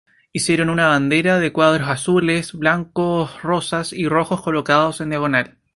Hicieron una bandera de cuadrados azules, blancos rosas y rojos colocados en diagonal.